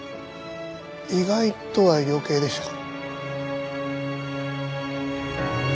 「意外と」は余計でしょう。